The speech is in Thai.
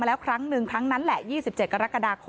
เมื่อเวลาอันดับ